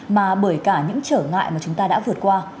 mà bởi cả những trở ngại mà chúng ta đã vượt qua